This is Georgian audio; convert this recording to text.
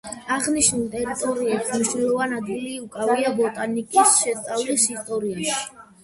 აღნიშნულ ტერიტორიებს მნიშვნელოვანი ადგილი უკავია ბოტანიკის შესწავლის ისტორიაში.